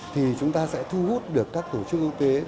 thì chúng ta sẽ thu hút được các tổ chức y tế